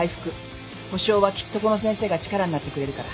補償はきっとこの先生が力になってくれるから。